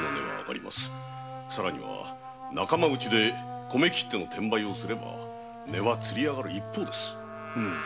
さらに仲間うちで米切手を転売すれば値はつり上がる一方です。